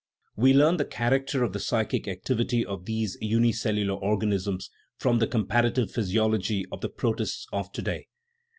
We learn the character of the psychic activity of these unicellular organisms from the comparative physiology of the protists of to day.